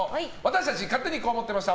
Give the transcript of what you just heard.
勝手にこう思ってました！